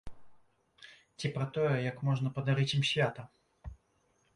Ці пра тое, як можна падарыць ім свята?